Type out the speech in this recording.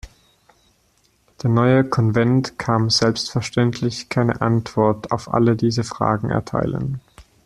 Der neue Konvent kann selbstverständlich keine Antwort auf alle diese Fragen erteilen.